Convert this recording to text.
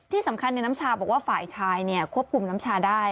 ที่สำคัญน้ำชาบอกว่าฝ่ายชายควบคุมน้ำชาได้